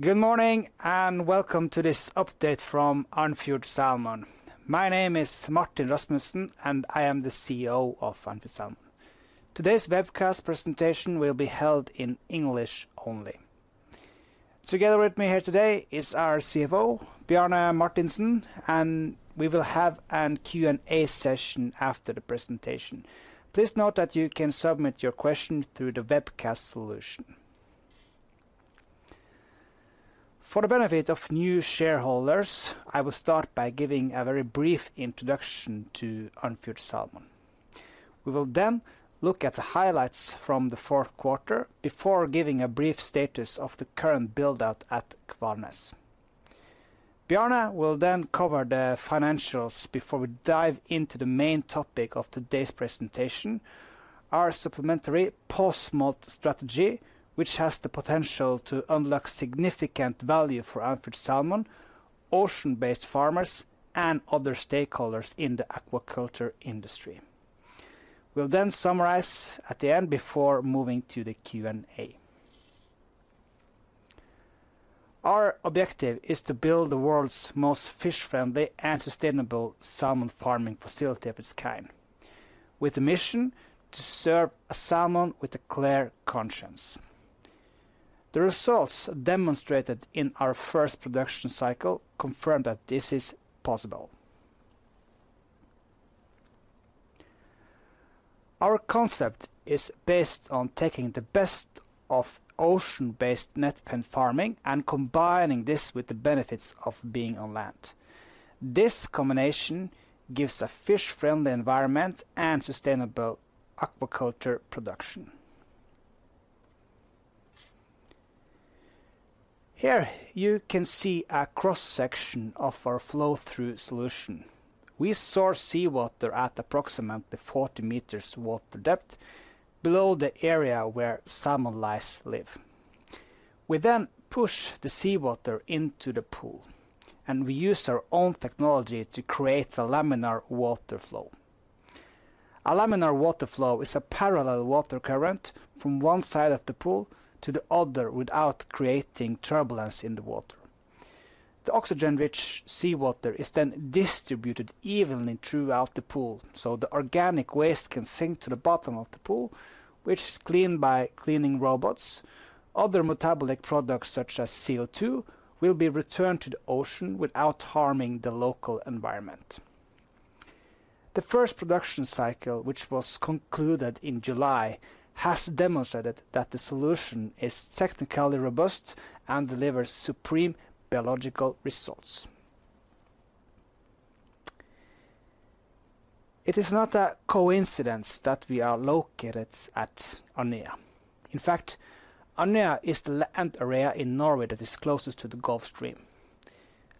Good morning, and welcome to this update from Andfjord Salmon. My name is Martin Rasmussen, and I am the CEO of Andfjord Salmon. Today's webcast presentation will be held in English only. Together with me here today is our CFO, Bjarne Martinsen, and we will have a Q&A session after the presentation. Please note that you can submit your question through the webcast solution. For the benefit of new shareholders, I will start by giving a very brief introduction to Andfjord Salmon. We will then look at the highlights from the fourth quarter before giving a brief status of the current build-out at Kvalnes. Bjarne will then cover the financials before we dive into the main topic of today's presentation, our supplementary post-smolt strategy, which has the potential to unlock significant value for Andfjord Salmon, ocean-based farmers, and other stakeholders in the aquaculture industry. We'll then summarize at the end before moving to the Q&A. Our objective is to build the world's most fish-friendly and sustainable salmon farming facility of its kind, with a mission to serve a salmon with a clear conscience. The results demonstrated in our first production cycle confirm that this is possible. Our concept is based on taking the best of ocean-based net pen farming and combining this with the benefits of being on land. This combination gives a fish-friendly environment and sustainable aquaculture production. Here, you can see a cross-section of our flow-through solution. We source seawater at approximately 40 meters water depth below the area where salmon lice live. We then push the seawater into the pool, and we use our own technology to create a laminar water flow. A laminar water flow is a parallel water current from one side of the pool to the other without creating turbulence in the water. The oxygen-rich seawater is then distributed evenly throughout the pool, so the organic waste can sink to the bottom of the pool, which is cleaned by cleaning robots. Other metabolic products, such as CO₂, will be returned to the ocean without harming the local environment. The first production cycle, which was concluded in July, has demonstrated that the solution is technically robust and delivers supreme biological results. It is not a coincidence that we are located at Andøya. In fact, Andøya is the land area in Norway that is closest to the Gulf Stream,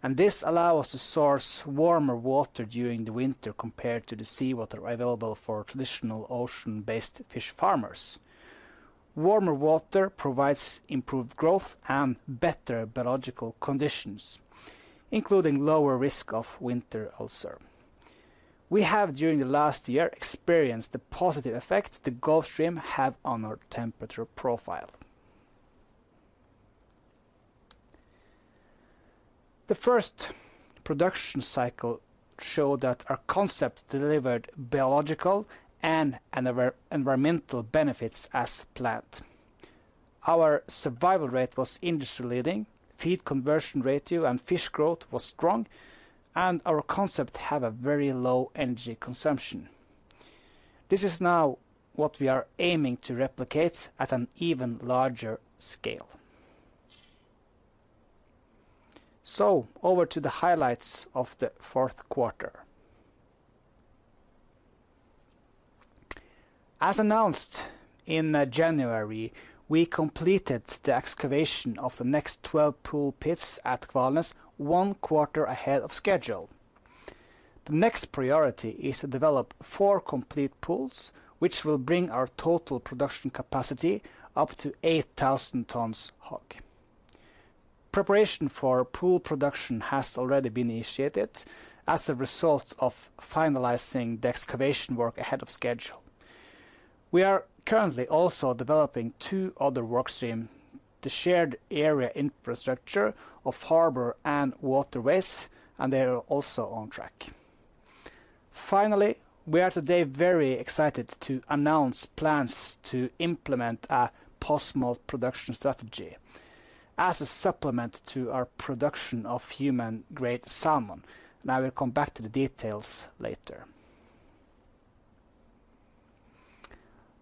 and this allow us to source warmer water during the winter compared to the seawater available for traditional ocean-based fish farmers. Warmer water provides improved growth and better biological conditions, including lower risk of winter ulcer. We have, during the last year, experienced the positive effect the Gulf Stream have on our temperature profile. The first production cycle showed that our concept delivered biological and environmental benefits as planned. Our survival rate was industry leading, feed conversion ratio and fish growth was strong, and our concept have a very low energy consumption. This is now what we are aiming to replicate at an even larger scale. So over to the highlights of the fourth quarter. As announced in January, we completed the excavation of the next 12 pool pits at Kvalnes, one quarter ahead of schedule. The next priority is to develop four complete pools, which will bring our total production capacity up to 8,000 tons HOG. Preparation for pool production has already been initiated as a result of finalizing the excavation work ahead of schedule. We are currently also developing two other work stream, the shared area infrastructure of harbor and waterways, and they are also on track. Finally, we are today very excited to announce plans to implement a post-smolt production strategy as a supplement to our production of human grade salmon. I will come back to the details later.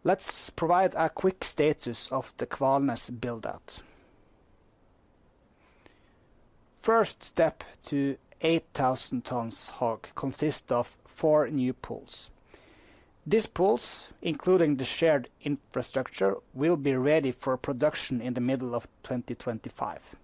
Let's provide a quick status of the Kvalnes build-out. First step to 8,000 tons HOG consist of four new pools. These pools, including the shared infrastructure, will be ready for production in the middle of 2025.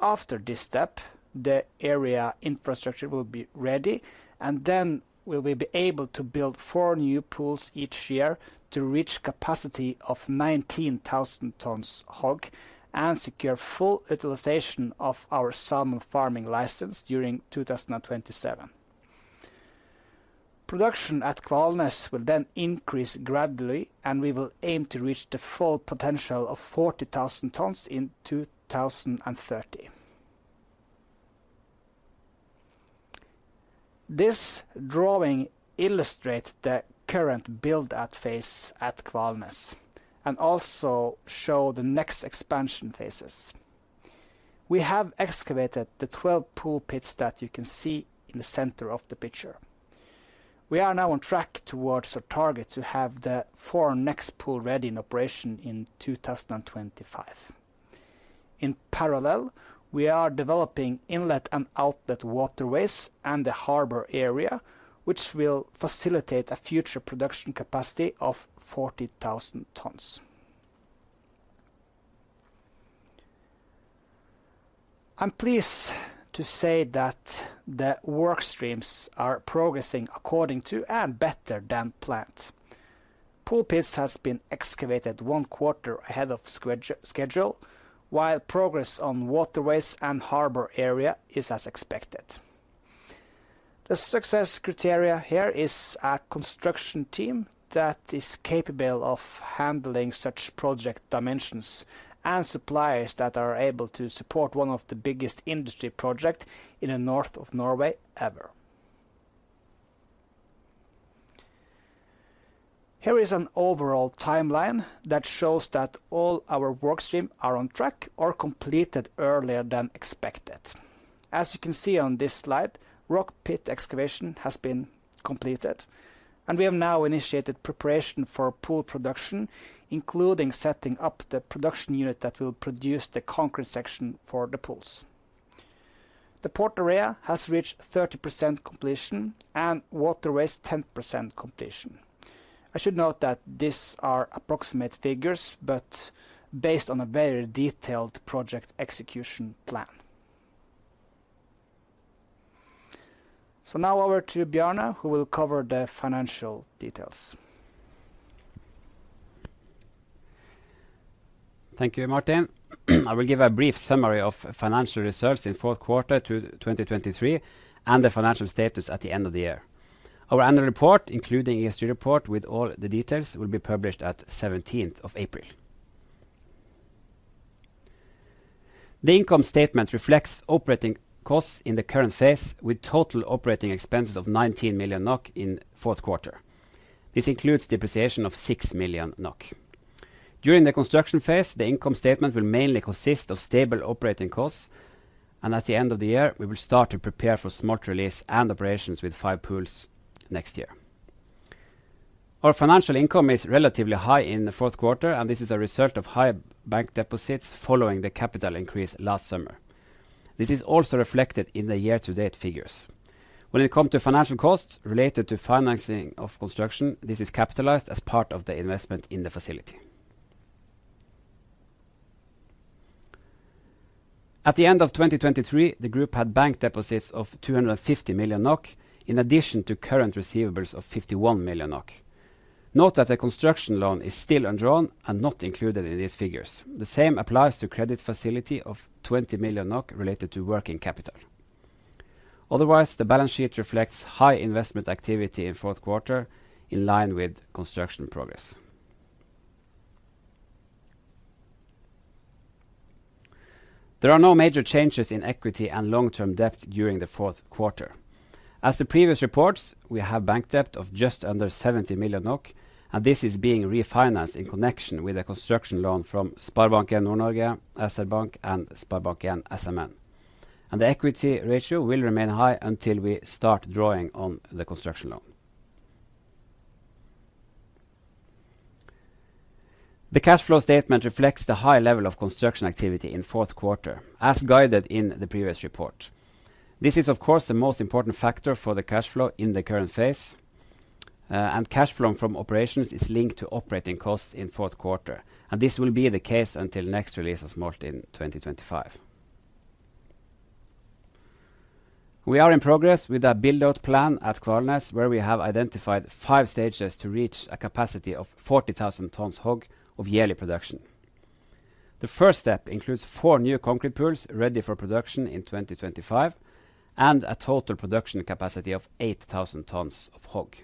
After this step, the area infrastructure will be ready, and then we will be able to build four new pools each year to reach capacity of 19,000 tons HOG and secure full utilization of our salmon farming license during 2027. Production at Kvalnes will then increase gradually, and we will aim to reach the full potential of 40,000 tons in 2030. This drawing illustrate the current build-out phase at Kvalnes, and also show the next expansion phases. We have excavated the 12 pool pits that you can see in the center of the picture. We are now on track towards our target to have the four next pool ready in operation in 2025. In parallel, we are developing inlet and outlet waterways and the harbor area, which will facilitate a future production capacity of 40,000 tons. I'm pleased to say that the work streams are progressing according to, and better than, planned. Pool pits has been excavated one quarter ahead of schedule, while progress on waterways and harbor area is as expected. The success criteria here is a construction team that is capable of handling such project dimensions, and suppliers that are able to support one of the biggest industry project in the north of Norway ever. Here is an overall timeline that shows that all our work stream are on track or completed earlier than expected. As you can see on this slide, rock pit excavation has been completed, and we have now initiated preparation for pool production, including setting up the production unit that will produce the concrete section for the pools. The port area has reached 30% completion and waterways 10% completion. I should note that these are approximate figures, but based on a very detailed project execution plan. So now over to Bjarne, who will cover the financial details. Thank you, Martin. I will give a brief summary of financial results in the fourth quarter of 2023, and the financial status at the end of the year. Our annual report, including ESG report, with all the details, will be published on the seventeenth of April. The income statement reflects operating costs in the current phase, with total operating expenses of 19 million NOK in the fourth quarter. This includes depreciation of 6 million NOK. During the construction phase, the income statement will mainly consist of stable operating costs, and at the end of the year, we will start to prepare for smolt release and operations with 5 pools next year. Our financial income is relatively high in the fourth quarter, and this is a result of high bank deposits following the capital increase last summer. This is also reflected in the year-to-date figures. When it comes to financial costs related to financing of construction, this is capitalized as part of the investment in the facility. At the end of 2023, the group had bank deposits of 250 million NOK, in addition to current receivables of 51 million NOK. Note that the construction loan is still undrawn and not included in these figures. The same applies to credit facility of 20 million NOK related to working capital. Otherwise, the balance sheet reflects high investment activity in fourth quarter, in line with construction progress. There are no major changes in equity and long-term debt during the fourth quarter. As the previous reports, we have bank debt of just under 70 million NOK, and this is being refinanced in connection with a construction loan from SpareBank 1 Nord-Norge, SpareBank 1 SR-Bank, and SpareBank 1 SMN. The equity ratio will remain high until we start drawing on the construction loan. The cash flow statement reflects the high level of construction activity in fourth quarter, as guided in the previous report. This is, of course, the most important factor for the cash flow in the current phase, and cash flow from operations is linked to operating costs in fourth quarter, and this will be the case until next release of smolt in 2025. We are in progress with a build-out plan at Kvalnes, where we have identified five stages to reach a capacity of 40,000 tons HOG of yearly production. The first step includes four new concrete pools ready for production in 2025, and a total production capacity of 8,000 tons of HOG.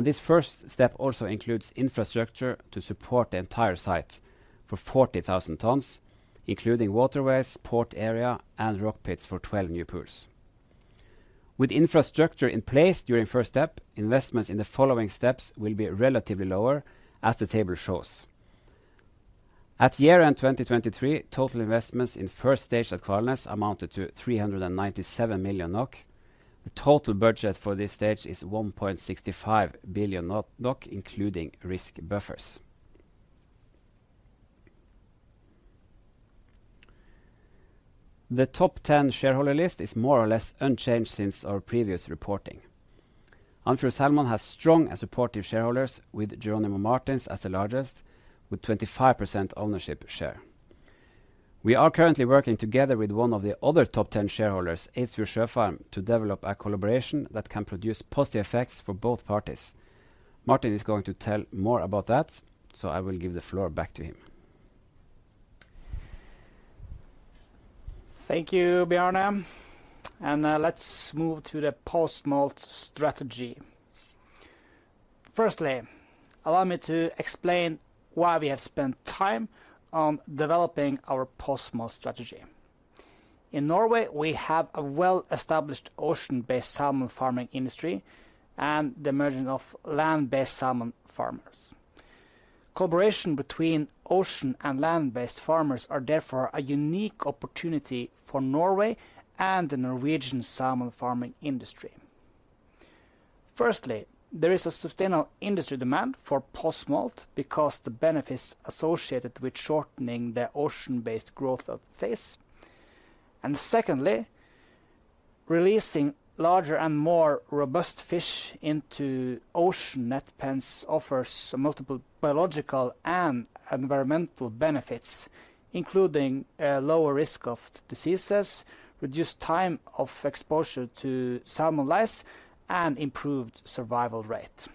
This first step also includes infrastructure to support the entire site for 40,000 tons, including waterways, port area, and rock pits for 12 new pools. With infrastructure in place during first step, investments in the following steps will be relatively lower, as the table shows. At year-end 2023, total investments in first stage at Kvalnes amounted to 397 million NOK. The total budget for this stage is 1.65 billion NOK, including risk buffers. The top ten shareholder list is more or less unchanged since our previous reporting. Andfjord Salmon has strong and supportive shareholders, with Jerónimo Martins as the largest, with 25% ownership share. We are currently working together with one of the other top ten shareholders, Eidsfjord Sjøfarm, to develop a collaboration that can produce positive effects for both parties. Martin is going to tell more about that, so I will give the floor back to him.... Thank you, Bjarne. And, let's move to the post-smolt strategy. Firstly, allow me to explain why we have spent time on developing our post-smolt strategy. In Norway, we have a well-established ocean-based salmon farming industry and the emerging of land-based salmon farmers. Collaboration between ocean and land-based farmers are therefore a unique opportunity for Norway and the Norwegian salmon farming industry. Firstly, there is a sustainable industry demand for post-smolt because the benefits associated with shortening the ocean-based growth phase. And secondly, releasing larger and more robust fish into ocean net pens offers multiple biological and environmental benefits, including a lower risk of diseases, reduced time of exposure to salmon lice, and improved survival rate.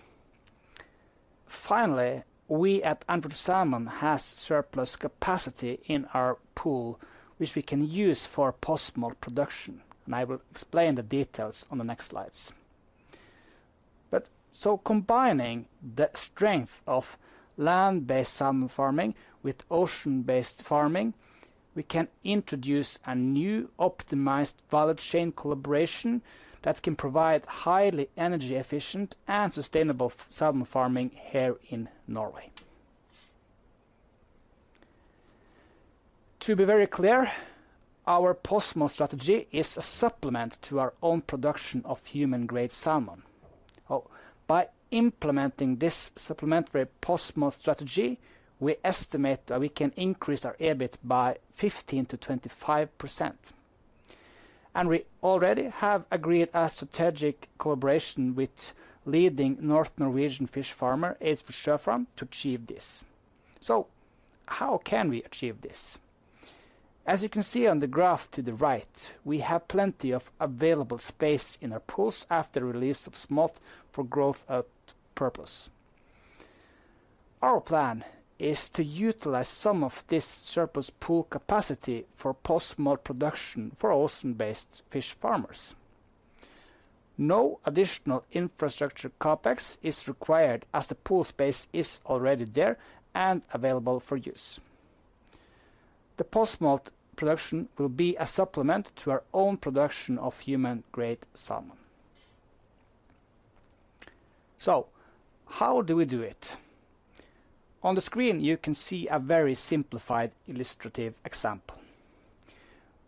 Finally, we at Andfjord Salmon has surplus capacity in our pool, which we can use for post-smolt production, and I will explain the details on the next slides. But so combining the strength of land-based salmon farming with ocean-based farming, we can introduce a new optimized value chain collaboration that can provide highly energy efficient and sustainable salmon farming here in Norway. To be very clear, our post-smolt strategy is a supplement to our own production of human grade salmon. Oh, by implementing this supplementary post-smolt strategy, we estimate that we can increase our EBIT by 15%-25%. We already have agreed a strategic collaboration with leading North Norwegian fish farmer, Eidsfjord Sjøfarm, to achieve this. How can we achieve this? As you can see on the graph to the right, we have plenty of available space in our pools after release of smolt for growth out purpose. Our plan is to utilize some of this surplus pool capacity for post-smolt production for ocean-based fish farmers. No additional infrastructure CapEx is required as the pool space is already there and available for use. The post-smolt production will be a supplement to our own production of human grade salmon. So how do we do it? On the screen, you can see a very simplified illustrative example.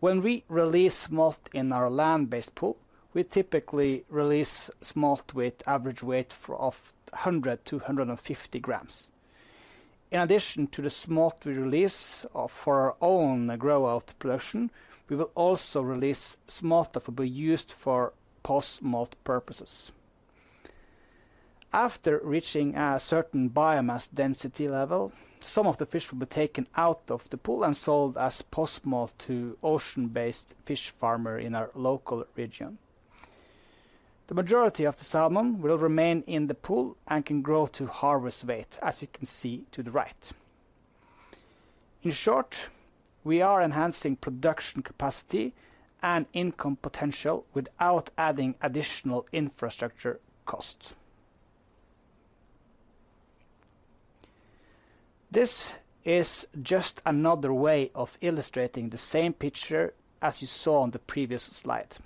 When we release smolt in our land-based pool, we typically release smolt with average weight of 100-150 grams. In addition to the smolt we release for our own grow out production, we will also release smolt that will be used for post-smolt purposes. After reaching a certain biomass density level, some of the fish will be taken out of the pool and sold as post-smolt to ocean-based fish farmer in our local region. The majority of the salmon will remain in the pool and can grow to harvest weight, as you can see to the right. In short, we are enhancing production capacity and income potential without adding additional infrastructure cost. This is just another way of illustrating the same picture as you saw on the previous slide.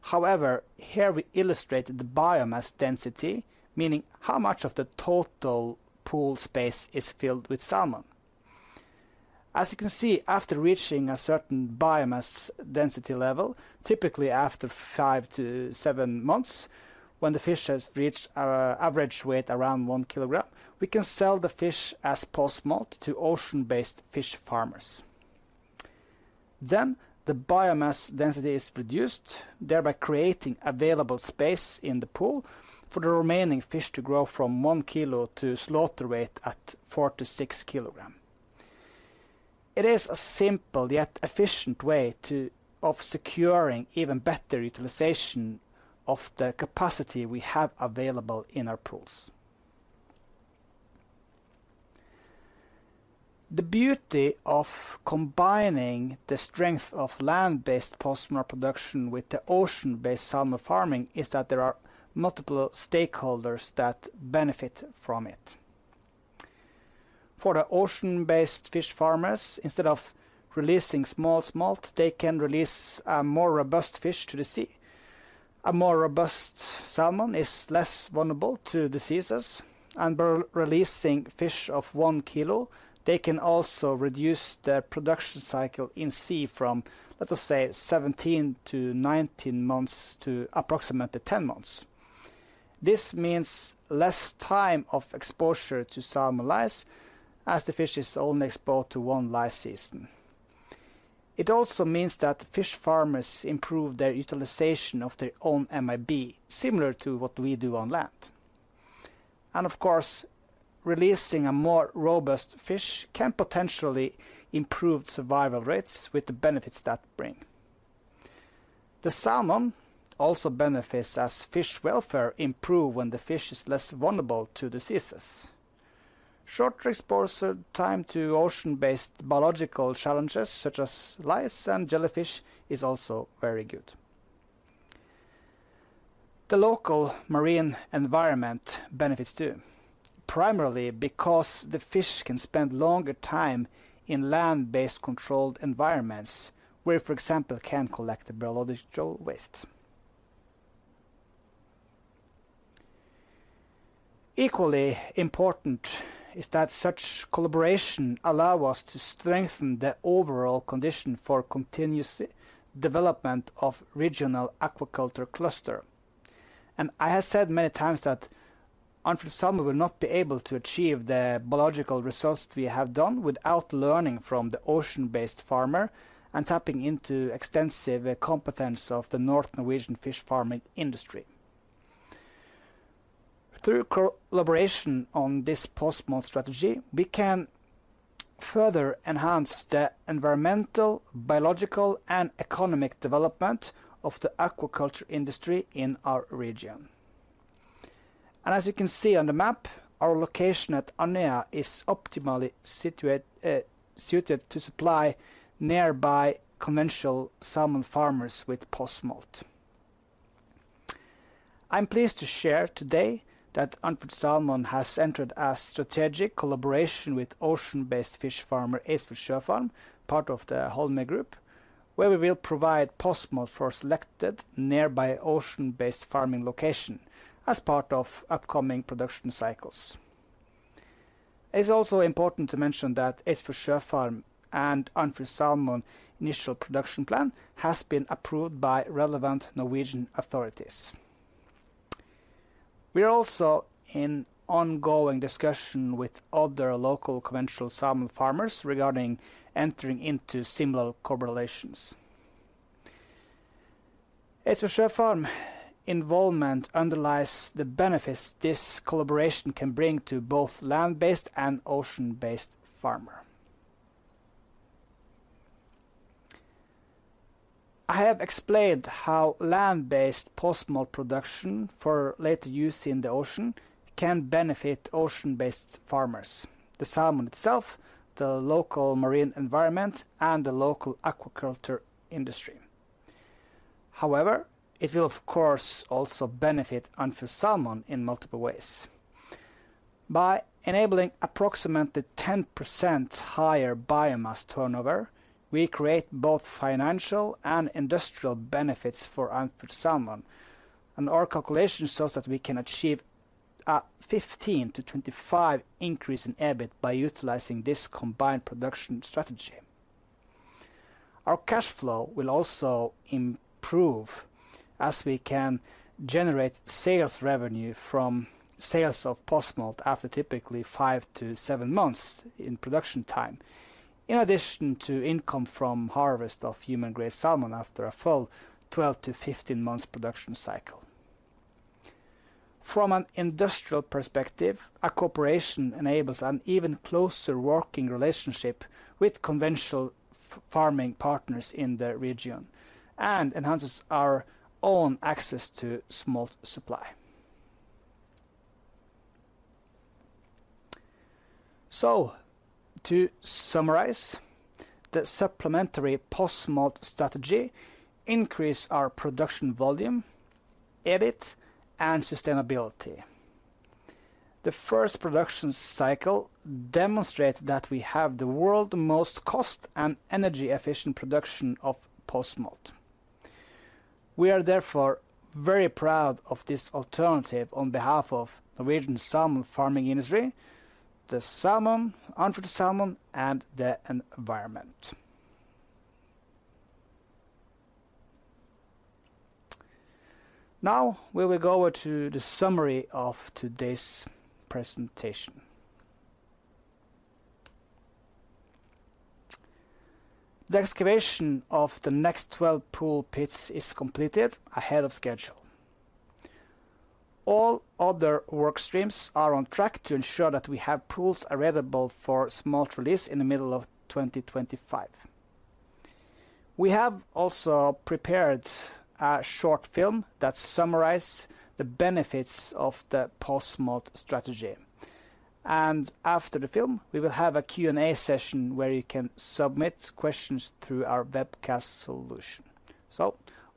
However, here we illustrate the biomass density, meaning how much of the total pool space is filled with salmon. As you can see, after reaching a certain biomass density level, typically after 5-7 months, when the fish has reached our average weight around 1 kilogram, we can sell the fish as post-smolt to ocean-based fish farmers. Then, the biomass density is reduced, thereby creating available space in the pool for the remaining fish to grow from 1 kilo to slaughter weight at 4-6 kilogram. It is a simple yet efficient way of securing even better utilization of the capacity we have available in our pools. The beauty of combining the strength of land-based post-smolt production with the ocean-based salmon farming is that there are multiple stakeholders that benefit from it. For the ocean-based fish farmers, instead of releasing small smolt, they can release a more robust fish to the sea. A more robust salmon is less vulnerable to diseases, and by releasing fish of one kilo, they can also reduce their production cycle in sea from, let's say, 17 to 19 months to approximately 10 months. This means less time of exposure to salmon lice, as the fish is only exposed to one lice season. It also means that fish farmers improve their utilization of their own MTB, similar to what we do on land. And of course, releasing a more robust fish can potentially improve survival rates with the benefits that bring.... The salmon also benefits as fish welfare improve when the fish is less vulnerable to diseases. Shorter exposure time to ocean-based biological challenges, such as lice and jellyfish, is also very good. The local marine environment benefits, too, primarily because the fish can spend longer time in land-based controlled environments, where we, for example, can collect the biological waste. Equally important is that such collaboration allow us to strengthen the overall condition for continuous development of regional aquaculture cluster. And I have said many times that Andfjord Salmon will not be able to achieve the biological results we have done without learning from the ocean-based farmer and tapping into extensive competence of the North Norwegian fish farming industry. Through collaboration on this post-smolt strategy, we can further enhance the environmental, biological, and economic development of the aquaculture industry in our region. As you can see on the map, our location at Andøya is optimally situated, suited to supply nearby conventional salmon farmers with post-smolt. I'm pleased to share today that Andfjord Salmon has entered a strategic collaboration with ocean-based fish farmer, Eidsfjord Sjøfarm, part of the Holmøy Group, where we will provide post-smolt for selected nearby ocean-based farming location as part of upcoming production cycles. It's also important to mention that Eidsfjord Sjøfarm and Andfjord Salmon initial production plan has been approved by relevant Norwegian authorities. We are also in ongoing discussion with other local conventional salmon farmers regarding entering into similar collaborations. Eidsfjord Sjøfarm involvement underlies the benefits this collaboration can bring to both land-based and ocean-based farmer. I have explained how land-based post-smolt production for later use in the ocean can benefit ocean-based farmers, the salmon itself, the local marine environment, and the local aquaculture industry. However, it will of course also benefit Andfjord Salmon in multiple ways. By enabling approximately 10% higher biomass turnover, we create both financial and industrial benefits for Andfjord Salmon, and our calculation shows that we can achieve a 15%-25% increase in EBIT by utilizing this combined production strategy. Our cash flow will also improve as we can generate sales revenue from sales of post-smolt after typically 5-7 months in production time, in addition to income from harvest of human-grade salmon after a full 12-15 months production cycle. From an industrial perspective, a cooperation enables an even closer working relationship with conventional farming partners in the region and enhances our own access to smolt supply. So to summarize, the supplementary post-smolt strategy increase our production volume, EBIT, and sustainability. The first production cycle demonstrate that we have the world most cost and energy-efficient production of post-smolt. We are therefore very proud of this alternative on behalf of Norwegian salmon farming industry, the salmon, Andfjord Salmon, and the environment. Now, we will go to the summary of today's presentation. The excavation of the next 12 pool pits is completed ahead of schedule. All other work streams are on track to ensure that we have pools available for smolt release in the middle of 2025. We have also prepared a short film that summarize the benefits of the post-smolt strategy. After the film, we will have a Q&A session, where you can submit questions through our webcast solution.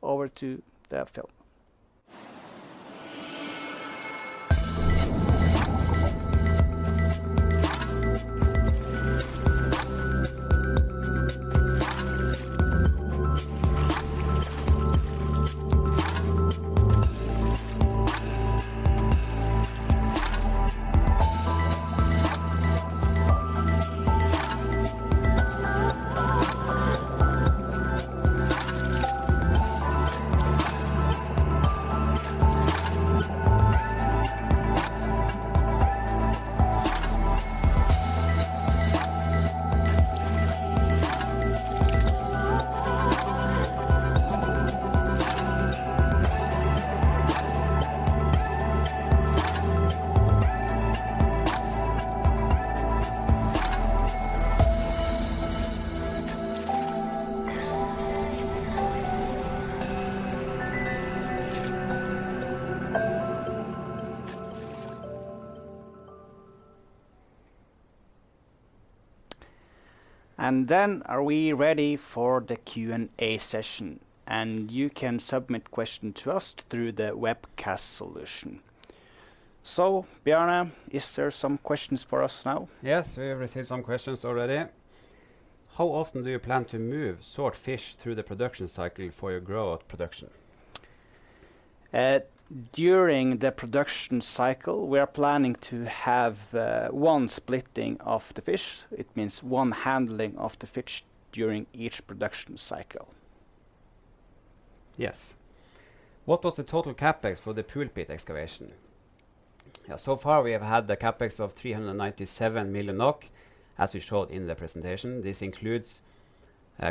Over to the film. ... And then are we ready for the Q&A session, and you can submit questions to us through the webcast solution. So, Bjarne, is there some questions for us now? Yes, we have received some questions already. How often do you plan to move smolt fish through the production cycle for your growth production? During the production cycle, we are planning to have one splitting of the fish. It means one handling of the fish during each production cycle. Yes. What was the total CapEx for the pool pit excavation? Yeah, so far we have had the CapEx of 397 million NOK, as we showed in the presentation. This includes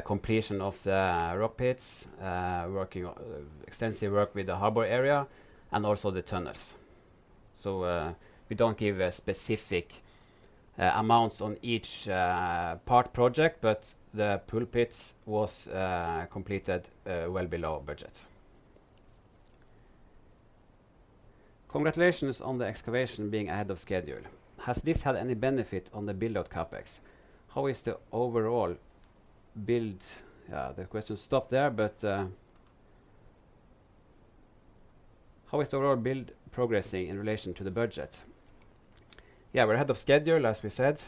completion of the rock pits, extensive work with the harbor area, and also the tunnels. So, we don't give specific amounts on each part project, but the pool pits was completed well below budget. Congratulations on the excavation being ahead of schedule. Has this had any benefit on the build-out CapEx? How is the overall build? The question stopped there, but how is the overall build progressing in relation to the budget? Yeah, we're ahead of schedule, as we said.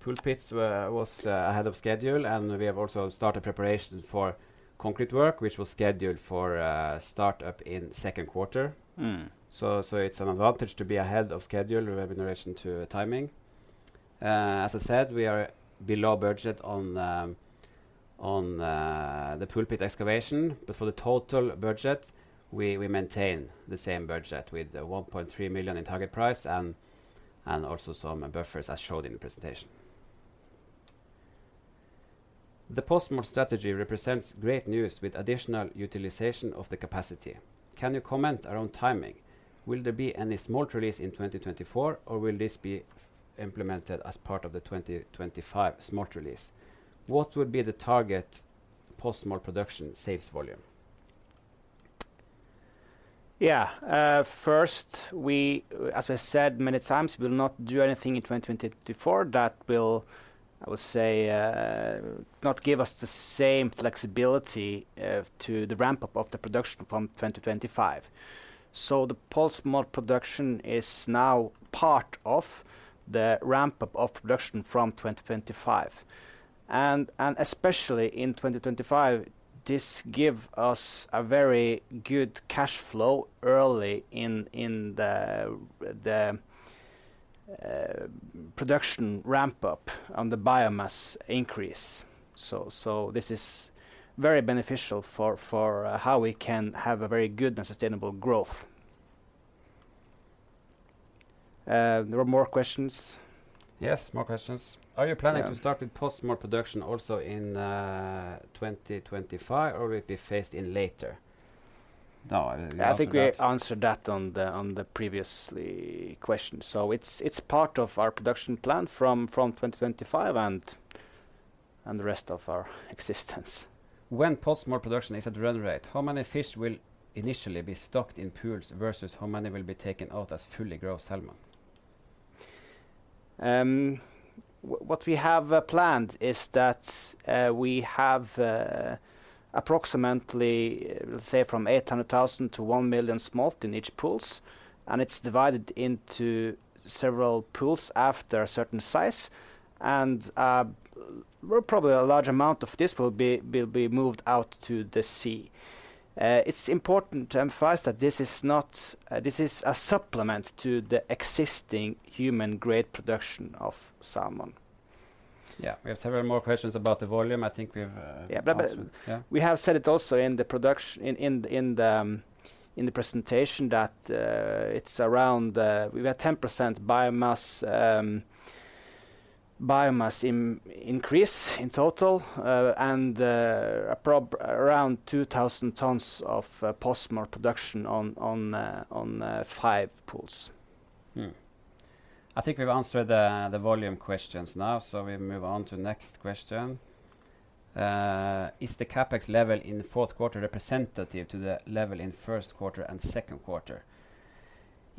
Pool pits were ahead of schedule, and we have also started preparations for concrete work, which was scheduled for start-up in second quarter. Mm. So it's an advantage to be ahead of schedule with in relation to timing. As I said, we are below budget on the pool pit excavation, but for the total budget, we maintain the same budget with 1.3 million in target price and also some buffers, as showed in the presentation. The post-smolt strategy represents great news with additional utilization of the capacity. Can you comment around timing? Will there be any smolt release in 2024, or will this be implemented as part of the 2025 smolt release? What would be the target post-smolt production sales volume? Yeah. First, as we said many times, we'll not do anything in 2024 that will, I would say, not give us the same flexibility to the ramp-up of the production from 2025. So the post-smolt production is now part of the ramp-up of production from 2025. And especially in 2025, this give us a very good cash flow early in the production ramp-up on the biomass increase. So this is very beneficial for how we can have a very good and sustainable growth. There were more questions? Yes, more questions. Yeah. Are you planning to start with post-smolt production also in 2025, or will it be phased in later? No, I think we answered that. I think we answered that on the previous question. So it's part of our production plan from 2025 and the rest of our existence. When Post-smolt production is at run rate, how many fish will initially be stocked in pools, versus how many will be taken out as fully grown salmon? What we have planned is that we have approximately, let's say, from 800,000 to 1 million smolt in each pools, and it's divided into several pools after a certain size. Well, probably a large amount of this will be moved out to the sea. It's important to emphasize that this is not, this is a supplement to the existing human grade production of salmon. Yeah. We have several more questions about the volume. I think we've Yeah, but, Yeah... We have said it also in the production, in the presentation, that it's around, we have 10% biomass increase in total, and probably around 2,000 tons of post-smolt production on five pools. I think we've answered the volume questions now, so we move on to the next question. Is the CapEx level in the fourth quarter representative to the level in first quarter and second quarter?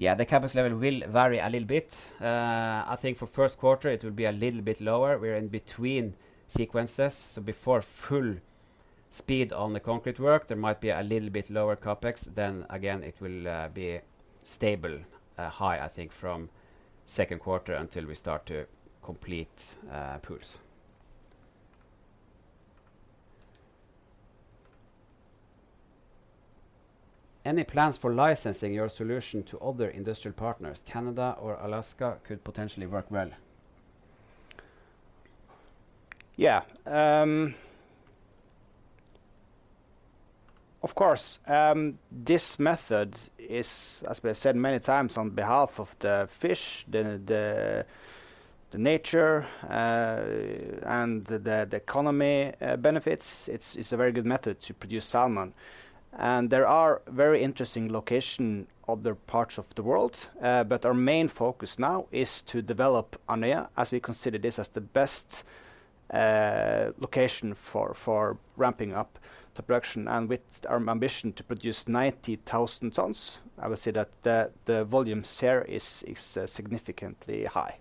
Yeah, the CapEx level will vary a little bit. I think for first quarter it will be a little bit lower. We're in between sequences, so before full speed on the concrete work, there might be a little bit lower CapEx. Then again, it will be stable, high, I think, from second quarter until we start to complete pools. Any plans for licensing your solution to other industrial partners? Canada or Alaska could potentially work well. Yeah. Of course, this method is, as we have said many times, on behalf of the fish, the nature, and the economy benefits, it's a very good method to produce salmon. And there are very interesting location other parts of the world, but our main focus now is to develop Andøya, as we consider this as the best... location for ramping up the production. And with our ambition to produce 90,000 tons, I would say that the volume share is significantly high.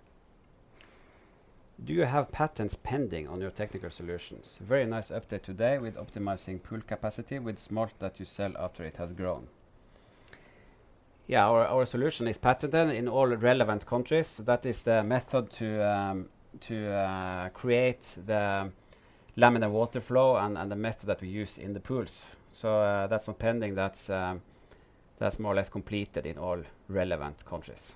Do you have patents pending on your technical solutions? Very nice update today with optimizing pool capacity, with smolt that you sell after it has grown. Yeah, our solution is patented in all relevant countries. That is the method to create the laminar water flow and the method that we use in the pools. So, that's not pending, that's more or less completed in all relevant countries.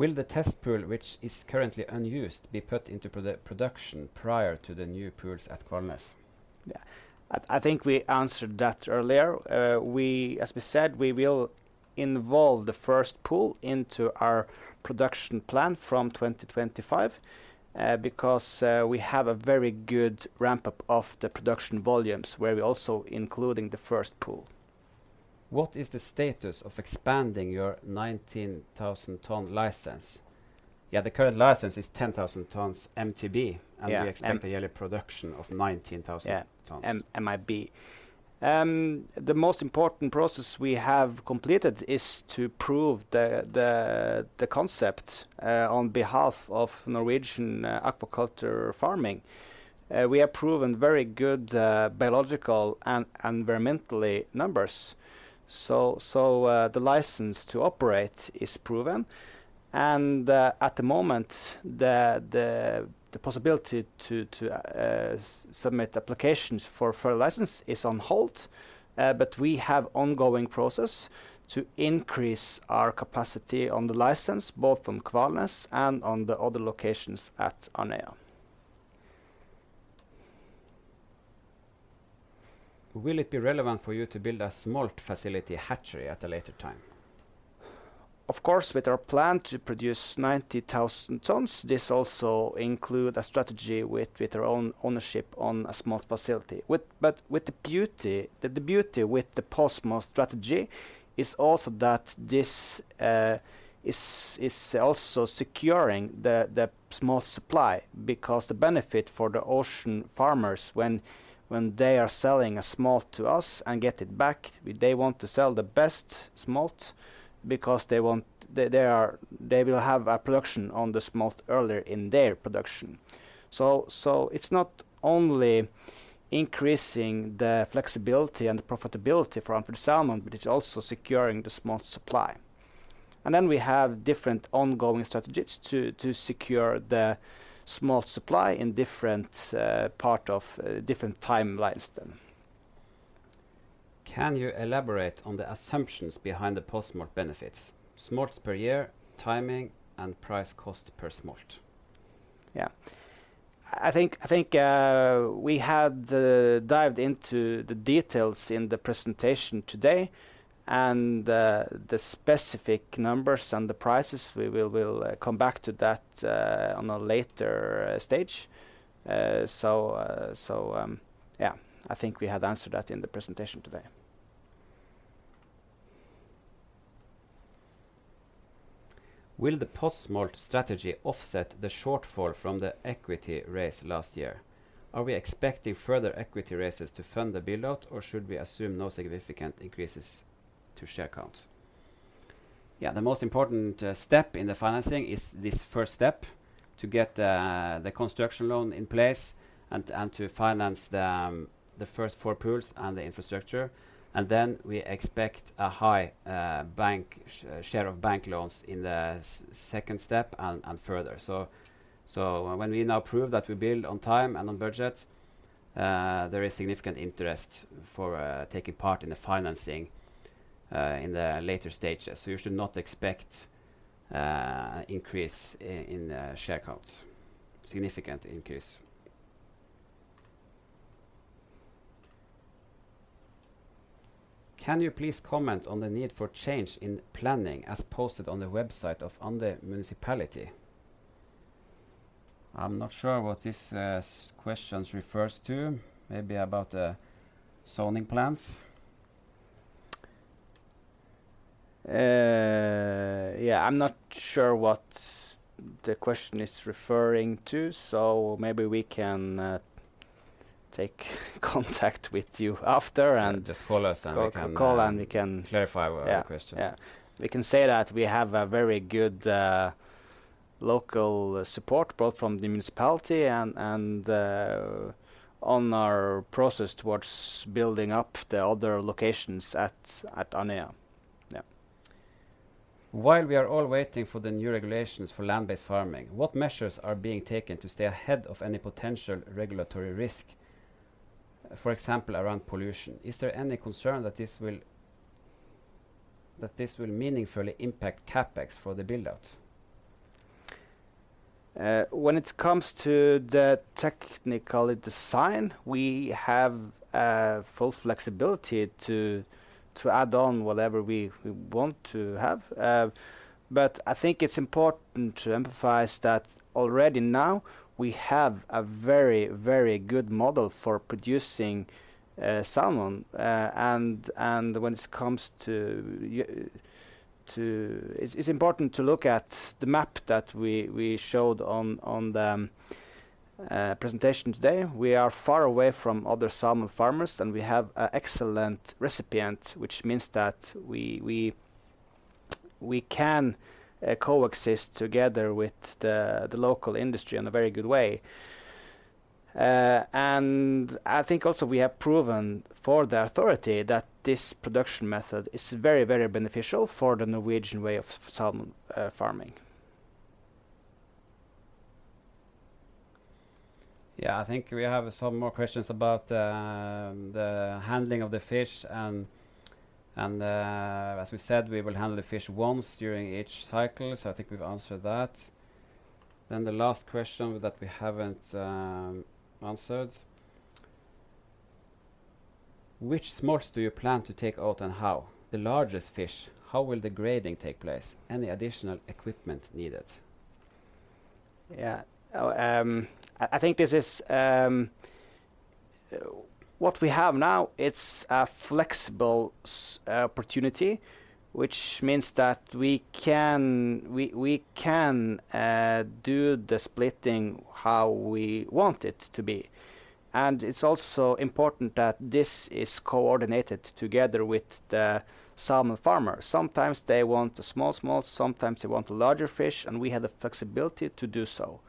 Will the test pool, which is currently unused, be put into production prior to the new pools at Kvalnes? Yeah. I think we answered that earlier. We, as we said, will involve the first pool into our production plan from 2025, because we have a very good ramp-up of the production volumes, where we're also including the first pool. What is the status of expanding your 19,000-ton license?" Yeah, the current license is 10,000 tons MTB- Yeah, M- We expect a yearly production of 19,000 tons. Yeah, M-MIB. The most important process we have completed is to prove the concept on behalf of Norwegian aquaculture farming. We have proven very good biological and environmentally numbers, so the license to operate is proven. And at the moment, the possibility to submit applications for a license is on hold. But we have ongoing process to increase our capacity on the license, both on Kvalnes and on the other locations at Andøya. Will it be relevant for you to build a smolt facility hatchery at a later time? Of course, with our plan to produce 90,000 tons, this also include a strategy with our own ownership on a smolt facility. But with the beauty. The beauty with the post-smolt strategy is also that this is also securing the smolt supply, because the benefit for the ocean farmers when they are selling a smolt to us and get it back, they want to sell the best smolt because they want-- they are-- they will have a production on the smolt earlier in their production. So it's not only increasing the flexibility and the profitability for Andfjord Salmon, but it's also securing the smolt supply. Then we have different ongoing strategies to secure the smolt supply in different part of different timelines then. Can you elaborate on the assumptions behind the post-smolt benefits? Smolts per year, timing, and price cost per smolt. Yeah. I think, I think, we had dived into the details in the presentation today, and the specific numbers and the prices, we will, we'll come back to that on a later stage. So, so, yeah, I think we had answered that in the presentation today. Will the post-smolt strategy offset the shortfall from the equity raise last year? Are we expecting further equity raises to fund the build-out, or should we assume no significant increases to share count? Yeah, the most important step in the financing is this first step, to get the construction loan in place and to finance the first four pools and the infrastructure. And then we expect a high bank share of bank loans in the second step and further. So when we now prove that we build on time and on budget, there is significant interest for taking part in the financing in the later stages. So you should not expect increase in the share count, significant increase. Can you please comment on the need for change in planning, as posted on the website of Andøy Municipality? I'm not sure what this question refers to. Maybe about the zoning plans. Yeah, I'm not sure what the question is referring to, so maybe we can take contact with you after and- Just follow us, and we can, Conference call, and we can-... clarify our question. Yeah, yeah. We can say that we have a very good local support, both from the municipality and on our process towards building up the other locations at Andøya. Yeah. While we are all waiting for the new regulations for land-based farming, what measures are being taken to stay ahead of any potential regulatory risk, for example, around pollution? Is there any concern that this will meaningfully impact CapEx for the build-out? When it comes to the technical design, we have full flexibility to add on whatever we want to have. But I think it's important to emphasize that already now we have a very, very good model for producing salmon. And when it comes to it, it's important to look at the map that we showed on the presentation today. We are far away from other salmon farmers, and we have an excellent recipient, which means that we can coexist together with the local industry in a very good way. And I think also we have proven for the authority that this production method is very, very beneficial for the Norwegian way of salmon farming. Yeah, I think we have some more questions about the handling of the fish. As we said, we will handle the fish once during each cycle, so I think we've answered that. Then the last question that we haven't answered: "Which smolts do you plan to take out, and how? The largest fish, how will the grading take place? Any additional equipment needed? Yeah. I think this is what we have now. It's a flexible opportunity, which means that we can do the splitting how we want it to be. And it's also important that this is coordinated together with the salmon farmer. Sometimes they want a small smolt, sometimes they want a larger fish, and we have the flexibility to do so.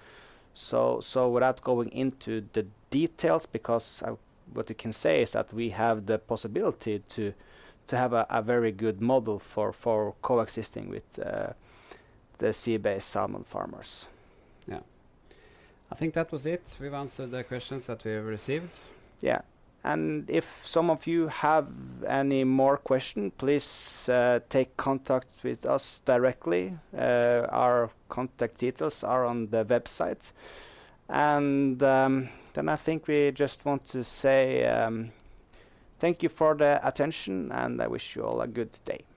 So without going into the details, because what we can say is that we have the possibility to have a very good model for coexisting with the sea-based salmon farmers. Yeah. I think that was it. We've answered the questions that we have received. Yeah, and if some of you have any more question, please, take contact with us directly. Our contact details are on the website. I think we just want to say, thank you for the attention, and I wish you all a good day.